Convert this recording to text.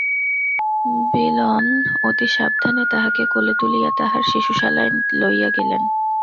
বিল্বন অতি সাবধানে তাহাকে কোলে তুলিয়া তাঁহার শিশুশালায় লইয়া গেলেন।